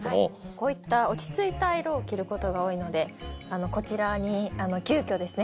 こういった落ち着いた色を着ることが多いのであのこちらに急きょですね